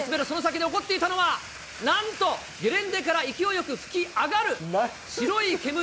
その先で起こっていたのは、なんと、ゲレンデから勢いよく噴き上がる白い煙。